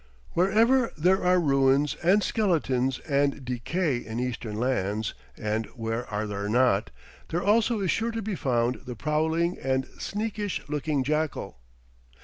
Wherever there are ruins and skeletons and decay in Eastern lands and where are there not? there also is sure to be found the prowling and sneakish looking jackal.